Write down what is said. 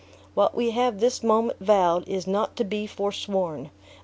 What we have this moment vowed, is not to be forsworn.